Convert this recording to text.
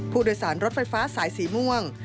ผู้โดยสารรถไฟฟ้าสายสีม่วง